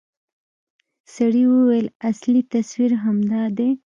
سړي وويل اصلي تصوير همدا دى.